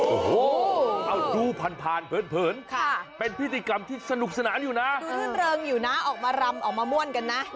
โอ้โหเอาดูผ่านเผินเป็นพิธีกรรมที่สนุกสนานอยู่นะรื่นเริงอยู่นะออกมารำออกมาม่วนกันนะ